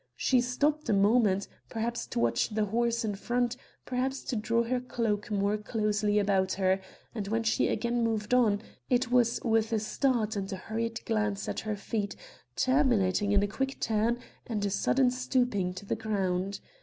She stopped a moment, perhaps to watch the horse in front, perhaps to draw her cloak more closely about her, and when she again moved on, it was with a start and a hurried glance at her feet, terminating in a quick turn and a sudden stooping to the ground.